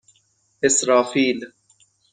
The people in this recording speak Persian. اِسرافیل